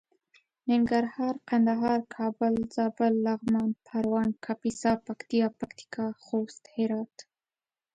ننګرهار کندهار کابل زابل لغمان پروان کاپيسا پکتيا پکتيکا خوست هرات